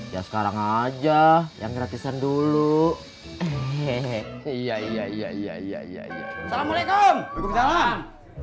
ya sekarang aja yang gratisan dulu iya iya iya iya iya salamualaikum salam